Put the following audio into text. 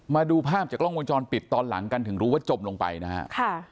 มาดูภาพจากกล้องวงจรปิดตอนหลังกันถึงรู้ว่าจมลงไปนะฮะค่ะ